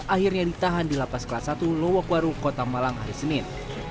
akhirnya ditahan di lapas kelas satu lowokwaru kota malang hari senin